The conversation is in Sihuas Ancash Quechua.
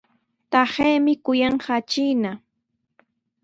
Taqaymi kuyanqaa chiina.